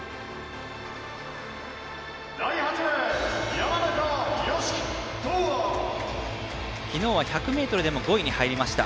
山中、昨日は１００ｍでも５位に入りました。